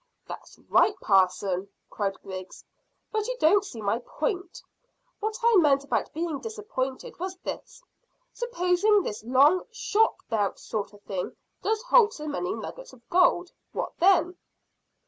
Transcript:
"That's right, parson," cried Griggs, "but you don't see my point. What I meant about being disappointed was this supposing this long shot belt sort of thing does hold so many nuggets of gold, what then?"